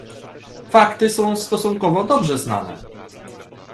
Fakty są stosunkowo dobrze znane